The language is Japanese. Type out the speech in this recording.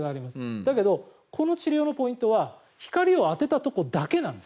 だけど、この治療のポイントは光を当てたとこだけなんです。